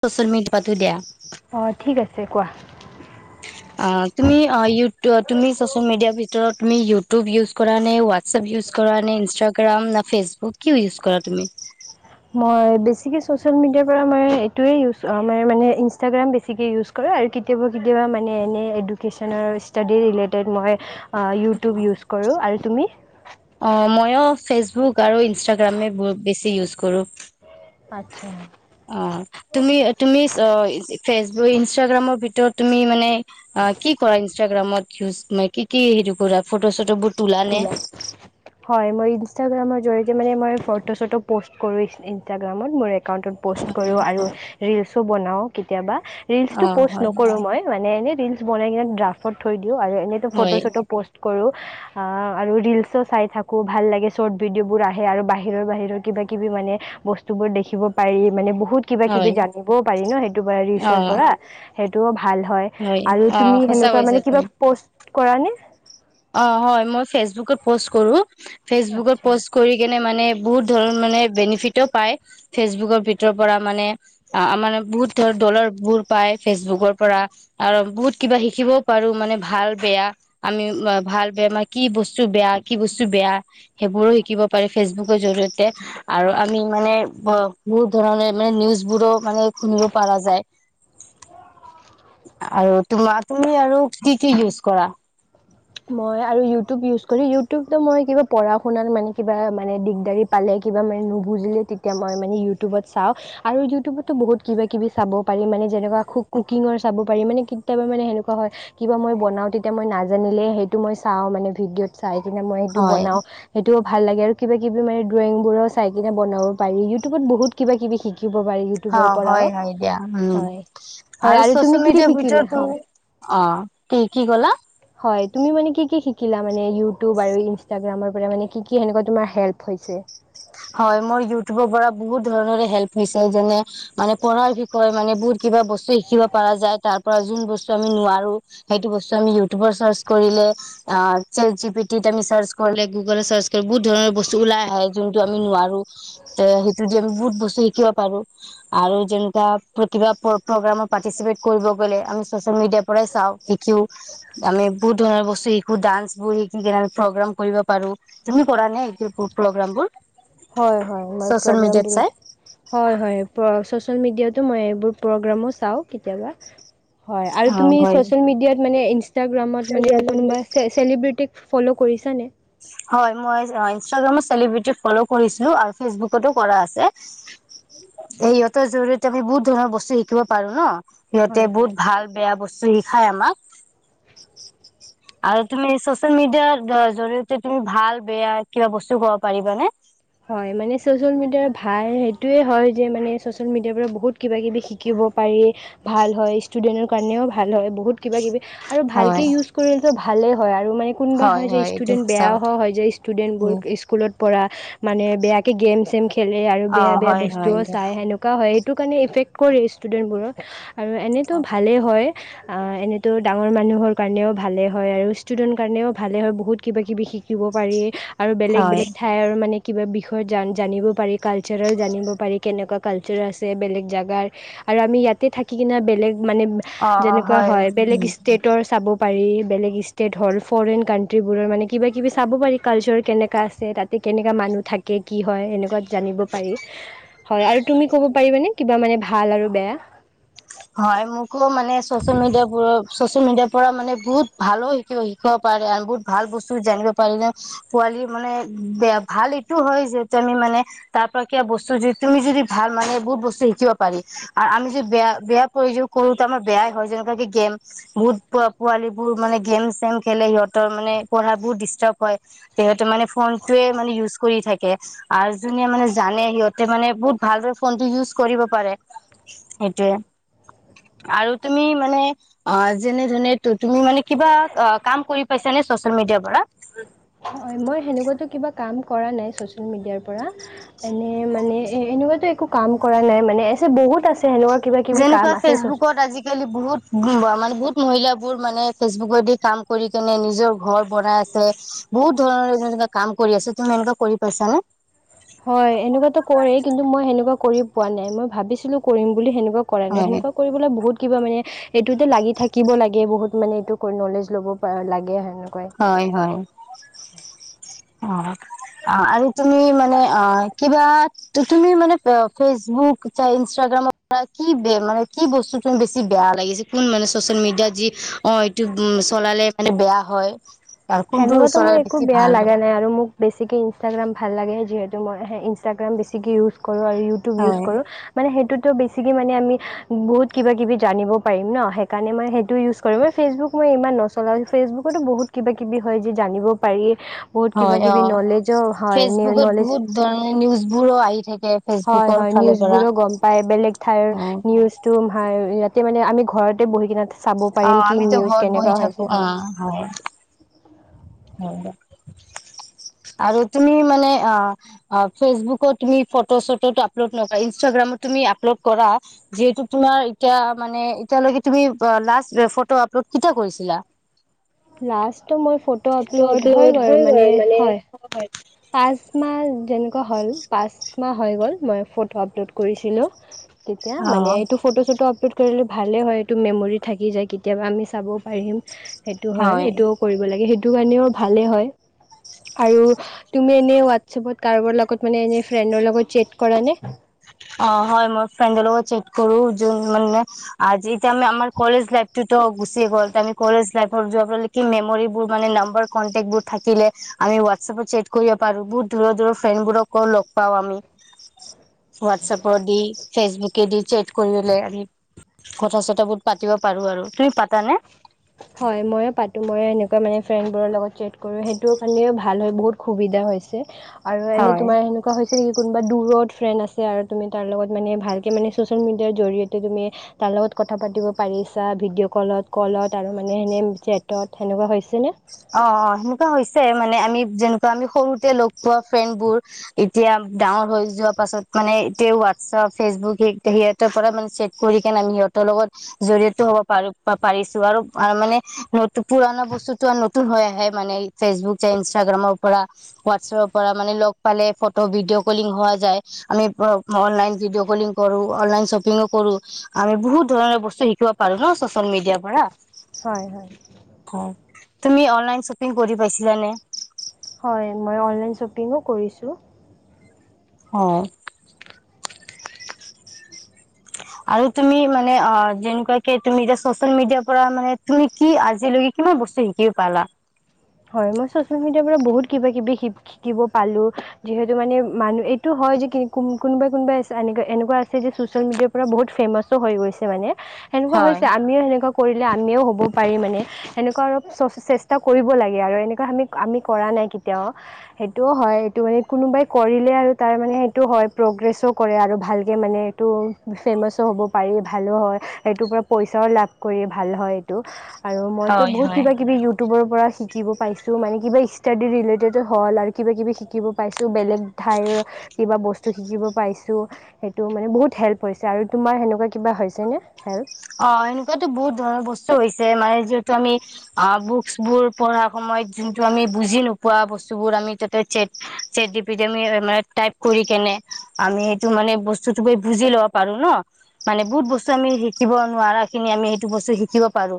Social media পাতো দিয়া। অ', ঠিক আছে কোৱা। অহ, তুমি অহ, ইউটু অহ, তুমি চছিয়াল মিডিয়াৰ ভিতৰত তুমি ইউটিউব ইউজ কৰা নে ৱাটছআপ ইউজ কৰা নে ইন্ছতাগ্ৰাম না ফেচবুক কি ইউজ কৰা তুমি? মই বেছিকে ছচিয়েল মিডিয়াৰ পৰা মই এইটোৱে ইউজ আৰু মানে ইনষ্টাগ্ৰাম বেছিকে ইউজ কৰোঁ আৰু কেতিয়াবা কেতিয়াবা মানে এনে এডুকেশ্যনৰ ষ্টাডি ৰিলেটেড মই অহ, ইউটিউব ইউজ কৰোঁ আৰু তুমি? অ', ময়ো ফেচবুক আৰু ইনষ্টাগ্ৰামে বু বেছি ইউজ কৰোঁ। আচ্ছা অ', তুমি, তুমি অ', ফেচবুক ইনষ্টাগ্ৰামৰ ভি টো তুমি মানে অ', কি কৰা নি ইনষ্টাগ্ৰামত [unintelligible] কি কি হেইটো কৰা ফটো চটো বোট তোলানে? তোলা হয়, মই ইনষ্টাগ্ৰামৰ‌ জৰিয়তে মানে মই ফটো ছটো পষ্ট কৰো ইনষ্টাগ্ৰামৰত মোৰ এক একাউণ্টত প'ষ্ট কৰোঁ আৰু ৰিলচ চো বনাও কেতিয়াবা। ৰিলচটো অ' পষ্ট হয় নকৰো মই মানে এনে ৰিলচ বনাই কেনে ড্ৰাফত থৈ দি ও আৰু এনেটো হয় ফটো চটো প'ষ্ট কৰো। আ, আৰু ৰিলচো চাই থাকো ভাল লাগে, শৰ্ট ভিডিঅ' বোৰ আহে আৰু বাহিৰৰ বাহিৰৰ কিবা কিবি মানে বস্তুবোৰ দেখিব পাৰি মানে বহু বহুত কিবা হয় কিবি জানিবও পাৰি ন? সেইটোৰ পৰা ৰিলচৰ অ' পৰা। সেইটো ভাল হয়, আৰু অ' তুমি সঁচা সেনেকুৱা কৈছা মানে কিবা তুমি। পষ্ট কৰা নে? অ', হয়, মই ফেচবুকত পষ্ট কৰো। ফেচবুকত আচ্ছা পষ্ট কৰি কেনে মানে বহুত ধৰণ মানে বেনিফিট পাই ফেচবুকৰ ভিতৰ পৰা মানে আমাৰ বহুত ধ দলাৰবোৰ পায় ফেচবুকৰ পৰা আৰু বহুত কিবা শিকিবও পাৰো মানে ভাল বেয়া আমি [unintelligible] ভাল বে মানে কি বস্তু বেয়া কি বস্তু বেয়া সেইবোৰো শিকিব পাৰে ফেচবুকৰ জৰিয়তে। আৰু আমি মানে বহুত ধৰণে মানে নিউজবোৰো মানে শুনিব পাৰা যায় আৰু তোমা তুমি আৰু কি কি ইউছ কৰা? মই আৰু ইউটিউব ইউজ কৰি, ইউটিউবতো মই কিবা পঢ়া শুনাত মানে কিবা মানে দিগদাৰি পালে কিবা মানে নুবুজিলে তেতিয়া মই মানে ইউটিউবত চাওঁ আৰু ইউটিউবতো বহুত কিবা কিবি চাব পাৰি মানে যেনেকুৱা কুকিঙৰ চাব পাৰি মানে কেতিয়াবা মানে সেনেকুৱা হয় কিবা মই বনাওঁ তেতিয়া মই নাজানিলে সেইটো মই চাওঁ মানে ভিডিঅ'ত চাই কিনে মই সেইটো হয় বনাওঁ সেইটো ভাল লাগে আৰু কিবা কিবি মানে ড্ৰয়িংবোৰো চাই কিনে বনাব পাৰি ইউটিউবত বহুত কিবা কিবি শিক অ', হয়, হয় দিয়া উম, হয় হয় আৰু তুমি চচিয়েল কি কি মিডিয়াৰ ভিতৰত শিকিলা হয় তুমি অ', কি, কি ক'? লা হয় তুমি মানে কি কি শিকিলা মানে ইউটিউব আৰু ইনষ্টাগ্ৰামৰ পৰা মানে কি কি সেনেকুৱা তোমাৰ হেল্প হৈছে? হয়, মোৰ ইউটিউবৰ পৰা বহুত ধৰণৰে হেল্প হৈছে যেনে মানে পঢ়াৰ বিষয়ে মানে বহুত কিবা বস্তু শিকিব পৰা যায় তাৰ পৰা যোন বস্তু আমি নোৱাৰো সেইটো বস্তু আমি ইউটিউবৰ চাৰ্চ কৰিলে অ', চেট জি পি টিত আমি চাৰ্চ কৰিলে গুগলত চাৰ্চ কৰি বহুত ধৰণৰ বস্তু ওলাই আহে যোন আমি নোৱাৰো তে সেইটো দি আমি বহুত বস্তু শিকিব পাৰো আৰু যেনো প্ৰতিভা প্ৰগ্ৰামত পাৰ্টিচিপেট কৰিব গ'লে আমি চচিয়েল মিডিয়াৰ পৰাই চাওঁ শিকো আমি বহুত ধৰণৰ বস্তু শিকো ডানস বোৰ শিকি কিনে আমি প্ৰগ্ৰাম কৰিব পাৰোঁ, তুমি কৰা নে সেই প্ৰগ্ৰাম বোৰ? হয়, হয়, মই চচিয়েল প্ৰগ্ৰেম মিডিয়াত চাই বোত হয়, হয় প্ৰ চ'চ চ'চিয়েল মিডিয়াতো মই এইবোৰ প্ৰগ্ৰামো চাওঁ কেতিয়াবা। হয় আৰু অ তুমি হয় চচিয়েল মিডিয়াত মানে ই ইাগ্ৰামত মানে কোনোবা চে চেলিব্ৰিটিক ফ'ল' কৰিছানে? হয় মই ইনষ্টাগ্ৰামত চেলিব্ৰিটি ফল' কৰিছিলোঁ আৰু ফেচবুকতো কৰা আছে সিহঁতৰ জৰিয়তে আমি বহুত ধৰণৰ বস্তু শিকিব পাৰোঁ ন'। সিহঁতে হয় বহুত হয় ভাল বেয়া বস্তু শিখায় আমাক। আৰু তুমি চ'চিয়েল মিডিয়াৰ জৰিয় তে তুমি ভাল বেয়া কিবা বস্তু ক'ব পাৰিবানে? হয় মানে চ'চিয়েল মিডিয়াৰ ভাল সেইটোয়ে হয় যে মানে চ'চিয়েল মিডিয়াৰ পৰা বহুত কিবা কিবি শিকিব পাৰি ভাল হয় [unintelligible] ষ্টুডেণ্টৰ কাৰণেও ভাল হয়, বহুত কিবা-কিবি আৰু ভালকে হয় ইউজ কৰিলে যে ভালেই হয় আ [unintelligible] আৰু মানে কোনোবা হয় যে এইটো ষ্টুডেণ্ট সঁচা বেয়াও কথা [unintelligible] হয় যায়, ষ্টুডেণ্টবোৰ স্কুলত। পৰা মানে বেয়া একে গেম-চেম [unintelligible] খেলে আৰু অ বেয়া-বেয়া হয় হয় বস্তুও দিয়া চায়, সেনেকুৱাও হয়। সেইটো কাৰণে ইফেক্ট কৰে ষ্টুডেণ্টবোৰক। আৰু এনেইতো ভালেই হয়। [unintelligible] এনেতো ডাঙৰ মানুহৰ কাৰণেও ভালে হয় আৰু ষ্টুডেণ্ট কাৰণেও ভালে হয়, বহুত কিবা-কিবি শিকিব পাৰি। আৰু বেলেগ হয় বেলেগ ঠাই আৰু মানে কিবা বিষয়ত জান-জানিব পাৰি। কালচাৰেল জানিব পাৰি, কেনেকুৱা কালচাৰ আছে বেলেগ জেগাৰ আৰু আমি ইয়াতে থাকি কিনে বেলেগ মানে অ অ যেনেকুৱা হয়! উম বেলেগ ষ্টেটৰ চাব পাৰি। বেলেগ ষ্টেট হ'ল ফ'ৰেইন কান্ট্ৰীবোৰৰ মানে কিবা-কিবি চাব পাৰি। কালচাৰ কেনেকা আছে, তাতে কেনেকা মানুহ থাকে। কি হয় এনেকুৱা জানিব পাৰি। হয়, আৰু তুমি ক'ব পাৰিবানে? কিবা মানে ভাল আৰু বেয়া? হয়, মোকো মানে চচিয়েল মিডিয়াৰ চচিয়েল মিডিয়াৰ পৰা মানে বহুত ভালো শিকিব শিকিব পাৰে আৰু বহুত ভাল বস্তু জানিব পাৰি পোৱালি মানে বেয়া ভাল এইটো হয়, যে, তুমি মানে তাৰ পৰা কিয়া বস্তু তুমি যদি ভাল মানে বহুত বস্তু শিকিব পাৰি। আৰু আমি যে, বেয়া বেয়া প্ৰয়োগ কৰোতো আমাৰ বেয়াই হয়, যেনেকুৱা কি গেম বহুত পো পোৱালী বোৰ মানে গেম চেম খেলে সিহঁতৰ মানে পঢ়া বোৰ ডিষ্টাৰ্ব হয়, সিহঁতে মানে ফোনটোৱে মানে ইউজ কৰি থাক আৰু যোনে মানে জানে সিহঁতে মানে বহুত ভালদৰে ফোনটো ইউজ কৰিব পাৰে সেইটোয়ে। আৰু তুমি মানে অ', যেনে ধ তুমি মানে কিবা কাম কৰি পাইছা নে চচেল মিডিয়াৰ পৰা? মই সেনেকুৱাটো কিবা কাম কৰা নাই চচিয়েল মিডিয়াৰ পৰা, এনে মানে এনেকুৱাটো একো কাম কৰা নাই মানে [unintelligible] কিবা কিবি কাম যেনেকুৱা আছে চচ ফেচবুকত আজিকালি বহুত [unintelligible] বহুত মহিল বোৰ মানে ফেচবুকত দি কাম কৰি কেনে নিজৰ ঘৰ বনাই আছে বহুত ধৰণৰে যে কাম কৰি আছে। তুমি এনেকুৱা কৰি পাইছানে। হয় এনেকুৱাতো কৰেই কিন্তু মই সেনেকুৱা কৰি পোৱা নাই। মই ভাবিছিলো কৰিম বুলি সেনেকা। কৰে নে হয় সেনেকুৱা কৰিবলৈ বহুত। কিবা মানে এইটোতে লাগি থাকিব লাগে, বহুত মানে এইটো কৰি, নলেজ ল'ব পা লাগেহে। হয়, হয়। অ', অ আৰু তুমি মানে অ', কিবা তু তুমি মানে ফ ফেচবুক ইনষ্টাগ্ৰাম পৰা কি বে মানে কি বস্তু বেছি বেয়া লাগি ম চচ মিডিয়াত যি অ', এইটো চলালে মানে বেয়া হয়। আৰু কোনটো সেনেকুৱা মই চলালে একো বেছি বেয়া ভাল হয়। লাগা নাই আৰু মোক। বেছিকে ইনষ্টাগ্ৰাম ভাল লাগে যিহেতু ম‌ই ইনষ্টাগ্ৰাম বেছিকে ইউজ। কৰো আৰু ইউটিউব ইউজ হয়, কৰু মানে সেইটোত। বেছিকে মানে আমি বহুত কিবা কিবি জানিব পাৰিম ন', সেইকাৰণে মই সেইটো ইউজ কৰিম। ফেচবুক মই ইমান নচলাওঁ, ফেচবুকতো বহুত কিবা-কিবি। কি বিষয় যি জানিব পাৰি। বহুত হয় কিবা-কিবি অ', নলেজো হয়। ন- ফেচবুকত নলেজ। বহুত ধৰণৰ নিউজ বোৰো আহি থাকে হয়, ফেচবুকৰ হয়। ফালৰ পৰা নিউজবোৰো গম পায়, বেলেগ ঠাইৰ, অ', নিউজটো। হয়, ইয়াতে মানে আমি ঘৰতে বহি কিনে। চাব পাৰিম অ', কি আমিতো নিউজ ঘৰত কেনেকুৱা বহি হৈছে থাকোঁ, হয় অ', হয়। হয়, হয়, আৰু তুমি মানে অ', অ', ফেচবুকত তুমি ফটো-চটো ত‌' আপলোড নকৰা। ইনষ্টাগ্ৰামত তুমি আপলোড কৰা, যিহেতু তোমাৰ এতিয়া মানে এতিয়ালৈকে তুমি পা লাষ্ট ফটো‌ আপলোড কেতিয়া কৰিছিলা? লাষ্টটো মই ফটো। ফটো আপলোড হৈ গল মানে, হয়। পাঁচ মাহ যেনেকুৱা হ'ল, পাঁচ মাহ হৈ গ'ল, মই ফটো আপলোড কৰিছিলোঁ। তেতিয়া অ মানে এইটো ফটো-চটো আপলোড। কৰিলো ভালেই হয় এইটো মেমৰি থাকি যায় কেতিয়াবা আমি চাব পাৰিম। সেইটো হয়, এইটোও কৰিব লাগে, সেইটো। সসেইটো কাৰণেও ভালেই হয় আৰু। তুমি এনে হোৱাটছ এপত কাৰোবাৰ লগত মানে ফ্ৰেডৰ লগত চেট কৰা নে? অ', হয় মই ফ্ৰেণ্ড লগত চেট কৰো যোন মানে আজি। আমি, আমাৰ কলেজ লাইফটো। ত গুচি গ'ল তে আমি কলেজ লাইফৰ মেমৰিবোৰ মানে নাম্বাৰ কনটেক্ট বোৰ থাকিলে আমি হোৱাটছএপত চেট কৰিব পাৰো, বহুত দূৰ দূুৰৰ ফ্ৰেণ্ডবোৰকো লগ পাওঁ আমি। হোৱাটছএপত দি ফেচবুকে দি চেট কৰি আমি কথা-চতাবোৰ পাতিব পাৰো আৰু তুমি পাতানে? হয়, ময়ো পাতো। মই এনেকুৱা মানে ফ্ৰেণ্ডবোৰৰ লগত চেট কৰোঁ সেইটো কাৰণে ভাল হয় বহুত সুবিধা হৈছে। আৰু এনে হয় তোমাৰ সেনেকুৱা হৈছে। যেনেকি কোনোবা দূৰত ফ্ৰেণ্ড আছে আৰু তুমি তাৰ লগত মানে ভালকে মানে ছ'চিয়েল মিডিয়াৰ জৰিয়তে তুমি তাৰ লগত কথা পাতিব পাৰিছা, ভিডিঅ' কলত, কলত। তাৰমানে এনেই চেটত সেনেকুৱা হৈছেনে? অ', অ', সেনেকুৱা হৈছে মানে আমি যেনেকুৱা আমি সৰুতে লগ পোৱা ফ্ৰেণ্ডবোৰ এতিয়া ডাঙৰ হৈ যোৱা পাছত, মানে, এতিয়া হোৱাটছাপ ফেচবুক স সিহঁতৰ পৰা মানে চেট কৰি কেনে আমি সিহঁতৰ লগত। জৰি়য়তো হব পাৰো পাৰিছোঁ আৰু মানে নতু পুৰণা বস্তুতো। তুৰ হৈ আহে, মানে, ফেচবুক যে ইনষ্টাগ্ৰামৰ পৰা, হোৱাটছএপৰ পৰা মানে লগ পালে ফটো ভিডিঅ' কলিং হোৱা যায়, আমি প অনলাইন ভিডিঅ' কলিং কৰো, অনলাইন শ্বপিঙো কৰো, আমি বহুত ধৰণৰ বস্তু শিকিব পাৰোঁ ন' চচিয়েল মিডিয়াৰ পৰা। হয়, হয়। হয় তুমি অনলাইন শ্বপিং কৰি পাইছিলানে? হয়, মই অনলাইন শ্বপিঙো কৰিছোঁ। হয়। আৰু তুমি মানে অ', যেনেকুৱাকে তুমি এতিয়া চচিয়েল মিডিয়াৰ পৰা মানে তুমি কি আজিলৈকে কিমান বস্তু শিকিব পালা? হয়, মই চচিয়েল মিডিয়াৰ পৰা বহুত কিবা কিবি শি শিকিব পালো যিহেতু মানে মানুহ এইটো হয় যে, কোনোবা কোনোবা এনেকুৱা আছে যে, চচিয়েল মিডিয়াৰ পৰা বহুত ফেমাচো হৈ গৈছে মানে। সেনেকুৱা হয় হৈছে আমিও সেনেকুৱা কৰিলে আমিও হ'ব পাৰি মানে সেনেকুৱা অলপ চ চেষ্টা কৰিব লাগে আৰু এনেকুৱা আমি আমি কৰা নাই কেতিয়াও সেইটোও হয়, এইটো মানে কোনোবাই কৰিলে আৰু তাৰ মানে সেইটো হয়, প্ৰগ্ৰেছো কৰে আৰু ভালকে মানে এইটো ফেমাছো হ'ব পাৰি ভালো হয়, সেইটোৰ পৰা পইচাও লাভ কৰি ভাল হয়। আৰু মইতো হয় বহুত হয় কিবা কিবি ইউ [unintelligible] পৰা শিক শিকিব পাইছো মানে কিবা ইষ্ট্যাডি ৰিলেটেডো হ'ল আৰু কিবা কিবি শিকিব পাই বেলেগ ঠাইৰ কিবা বস শিকিব পাইছোঁ সেইটো মানে বহুত হেল্প হৈছে আৰু তোমাৰ সেনেকুৱা কিবা হৈছেনে হেল্প? অ', এনেকুৱাতো বহুত ধৰণৰ বস্তু হৈছে মানে যিহেতু আমি অ', বুকচবোৰ পঢ়াৰ সময়ত যোনটো আমি বুজি নোপোৱা বস্তুবোৰ আমি তাতে ছেট ছেটগিপিটি আমি টাইপ কৰি কেনে আমি সেইটো মানে বস্তু গৈ বুজি ল'ব পাৰোঁ ন' মানে বহুত বস্তু আমি শি শিকিব নোৱাৰাখিনি আমি সেইটো বস্তু শিকিব পাৰো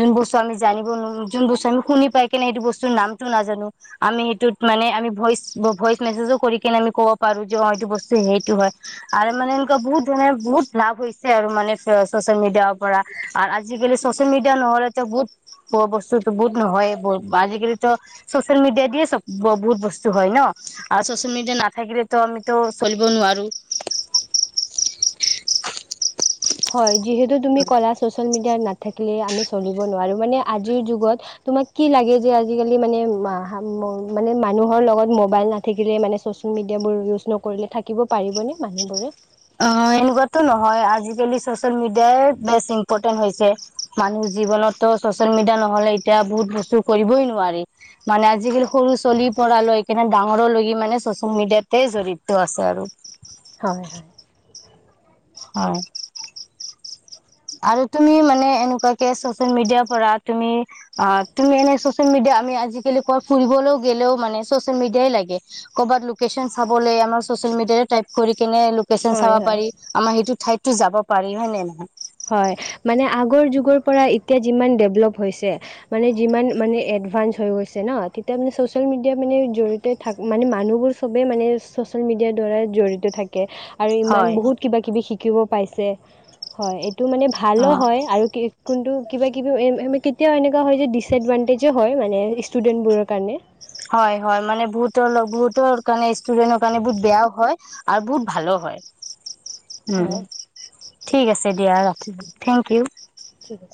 যোন বস্তু আমি জানিব যোন বস্তু আমি শুনি পাই কেনে সেইটো বস্তুৰ নামটো নাজানো আমি সেইটোত মানে আমি ভইচ ভইচ মেছেজো কৰি কিনে আমি ক'ব পাৰো যে অ', এইটো বস্তু সেইটো হয় আৰু মানে এনেকুৱা বহুত ধৰণে বহুত লাভ হৈছে আৰু মানে চচিয়াল মিডিয়াৰ পৰা আ, আজিকালি চচিয়াল মিডিয়া নহলে তো বহুত বস্তুতো [unintelligible] আজিকালিটো চচিয়াল মিডিয়া দিয়ে বহুত বস্তু হয় ন চ'চিয়াল মিডিয়া নাথাকিলে আমিতো চলিব নোৱাৰোঁ। হয়। যিহেতু তুমি ক'লা চ'চিয়েল মিডিয়া থাকিলে আমি চলিব নোৱাৰো মানে আজিৰ যুগত তোমাক কি লাগে যে আজিকালি মানে মানে মানুহৰ লগত মবাইল নাথাকিলে মানে চচিয়াল মিডিয়াবোৰ ইউজ নকৰিলে থাকিব পাৰিবনে মানুহবোৰে? অ', এনেকুৱাতো নহয় আজিকালি চ'চিয়েল মিডিয়াই বেছ ইম্পৰ্টেণ্ট হৈছে মানুহ জীৱনতো চচিয়েল মিডিয়া নহ'লে এতিয়া বহুত বস্তু কৰিবই নোৱাৰি মানে আজিকালি সৰু চলি পৰা লৈকেনে ডাঙৰলৈকে মানে চচিয়েল মিডিয়াতে জড়িত আছে আৰু। হয়, হয়। হয়। আৰু তুমি মানে এনেকুৱাকে চ'চিয়াল মিডিয়াৰ পৰা তুমি আ তুমি এনে চ'চিয়াল মিডিয়া আমি আজিকালি কোৱা ফুৰিবলৈ গ'লেও মানে চচিয়াল মিডিয়াই লাগে কোবাত লোকেচন চাবলে আমাৰ চ'চিয়াল মিডিয়াৰে টাইপ কৰি কিনে লোকেচন চাব হয় হয় পাৰি আমাৰ সেইটো ঠাইত যাব পাৰি হয় নে নহয়। হয় মানে আগৰ যুগৰ পৰা এতিয়া যিমান ডেভলপ হৈছে মানে যিমান মানে এডভান্স হৈ গৈছে ন' তেতিয়া মানে চচিয়াল মিডিয়া মানে জড়িত মানে মানুহবোৰ চবে মানে চ'চিয়াল মিডিয়াৰ দ্বাৰা জড়িত থাকে। আৰু ইমান হয় বহুত কিবা কিবি শিক শিকিব পাইছে, হয়। টো মানে ভালো অ হয় আৰু কোনটো কিবা কিবি কেতিয়াও এনেকুৱা হয় যে ডিচএডভানটেজো হয় মানে ষ্টুডেন্টবোৰৰ কাৰণে। হয়, হয় মানে বহুত বহুতৰ কাৰণে ষ্টুডেন্টৰ কাৰণে বহুত বেয়াও হয় আৰু বহুত ভালো হয়। হয় উম। ঠিক আছে দিয়া ৰাখিলোঁ থেংকইউ। ঠিক আছে